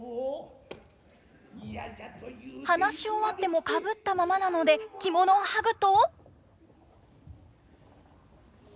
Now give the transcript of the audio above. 話し終わってもかぶったままなので着物をはぐと。